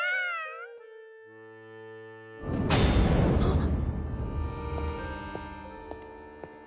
あっ！